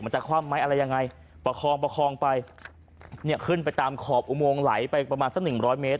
จะคว่ำไหมอะไรยังไงประคองประคองไปเนี่ยขึ้นไปตามขอบอุโมงไหลไปประมาณสักหนึ่งร้อยเมตร